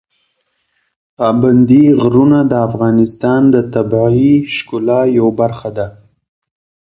پابندي غرونه د افغانستان د طبیعي ښکلا یوه برخه ده.